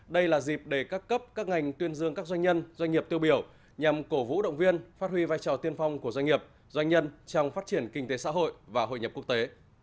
hãy đăng ký kênh để ủng hộ kênh của chúng mình nhé